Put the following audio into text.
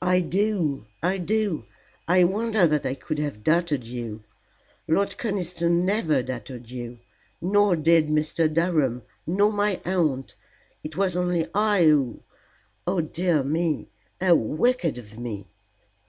"I do I do. I wonder that I could have doubted you. Lord Conniston never doubted you, nor did Mr. Durham, nor my aunt. It was only I who oh dear me! How wicked of me."